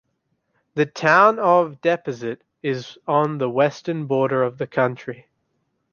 The town of Deposit is on the western border of the county.